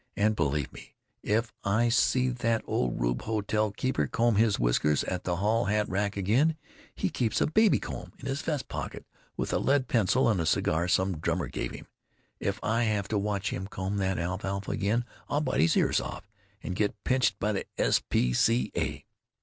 And believe me, if I see that old rube hotel keeper comb his whiskers at the hall hat rack again—he keeps a baby comb in his vest pocket with a lead pencil and a cigar some drummer gave him—if I have to watch him comb that alfalfa again I'll bite his ears off and get pinched by the S. P. C. A.!"